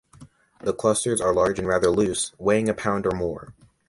The clusters are large and rather loose, weighing a pound or more.